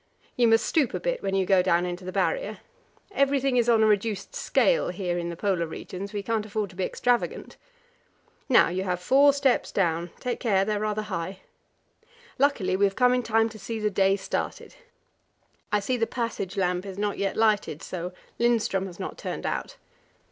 You must stoop a bit when you go down into the Barrier. Everything is on a reduced scale here in the Polar regions; we can't afford to be extravagant. Now you have four steps down; take care, they are rather high. Luckily we have come in time to see the day started. I see the passage lamp is not yet lighted, so Lindström has not turned out.